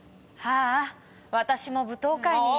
ああ私も舞踏会に。